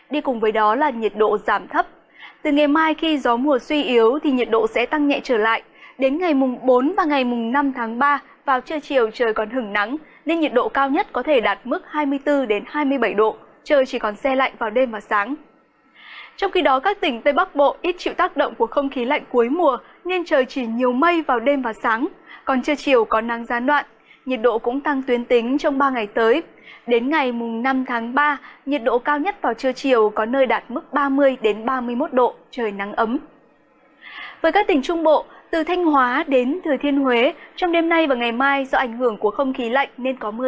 đi cùng với đó là độ ẩm giảm thấp nên cảm giác oi bức duy trì trong khoảng thời gian giữa trưa và đầu giờ chiều